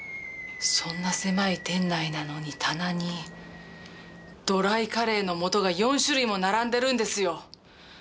そんな狭い店内なのに棚にドライカレーの素が４種類も並んでるんですよ！